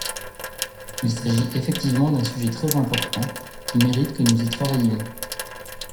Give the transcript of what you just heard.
Il s’agit effectivement d’un sujet très important, qui mérite que nous y travaillions.